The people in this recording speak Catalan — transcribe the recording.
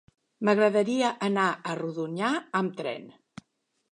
M'agradaria anar a Rodonyà amb tren.